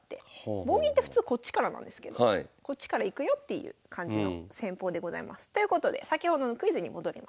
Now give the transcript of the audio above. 棒銀って普通こっちからなんですけどこっちから行くよっていう感じの戦法でございます。ということで先ほどのクイズに戻ります。